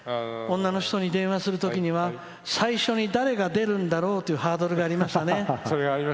女の人に電話するときなんか最初に誰が出るんだろうというハードルがありましたね。